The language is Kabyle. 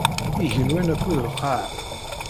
Igenwan akked lqaɛa.